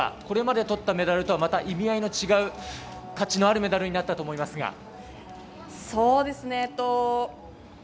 これまでとったメダルとは、また意味合いの違う価値のあるメダルになったと思いますが。